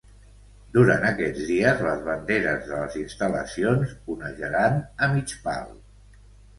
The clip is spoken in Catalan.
Durant aquests dies les banderes de les instal·lacions onejaran a mig pal.